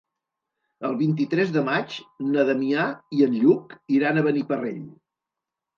El vint-i-tres de maig na Damià i en Lluc iran a Beniparrell.